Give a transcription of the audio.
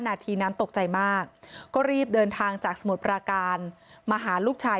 นาทีนั้นตกใจมากก็รีบเดินทางจากสมุทรปราการมาหาลูกชาย